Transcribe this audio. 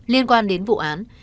liên quan đến vụ án